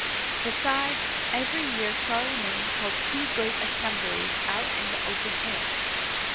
Besides, every year Charlemagne held two great assem blies out in the open air.